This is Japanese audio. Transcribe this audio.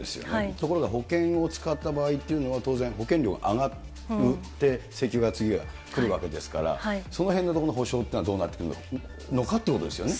ところが保険を使った場合というのは、当然保険料が上がって請求が次は来るわけですから、そのへんのところ、補償っていうのはどうなってくるのかっていうことですよね。